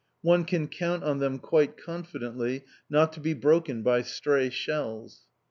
One can count on them quite confidently not to be broken by stray shells.